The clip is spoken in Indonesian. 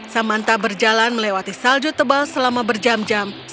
samanta berjalan melewati salju tebal selama berjam jam